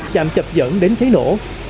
chạm chập dẫn đến cháy nổ